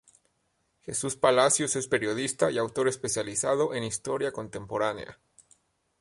Jesús Palacios es periodista y autor especializado en historia contemporánea.